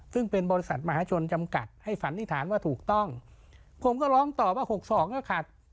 ซึ่งเป็นบริษัทมหาชนจำกัดให้สันนิษฐานว่าถูกต้องผมก็ร้องตอบว่าหกสองก็ขัด